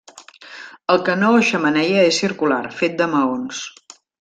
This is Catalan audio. El Canó o xemeneia és circular, fet de maons.